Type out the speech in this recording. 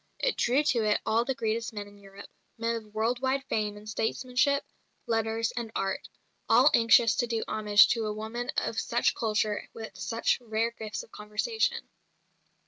It drew to it all the greatest men in Europe, men of world wide fame in statesmanship, letters, and art, all anxious to do homage to a woman of such culture and with such rare gifts of conversation.